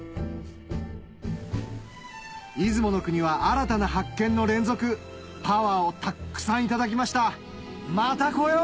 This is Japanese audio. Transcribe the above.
出雲の国は新たな発見の連続パワーをたっくさん頂きましたまた来よう！